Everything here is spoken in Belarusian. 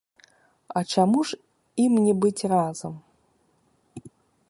А чаму ж ім не быць разам?